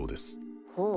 ほう。